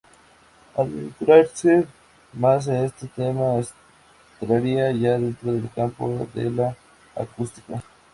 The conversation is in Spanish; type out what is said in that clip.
Adentrarse más en este tema entraría ya dentro del campo de la acústica.